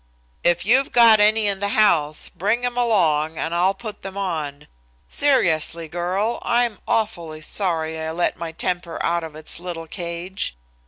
"If you've got any in the house bring 'em along and I'll put them on. Seriously, girl, I'm awfully sorry I let my temper out of its little cage.